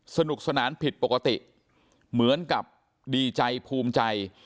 สนุกสนานผิดปกติเหมือนกับดีใจภูมิใจ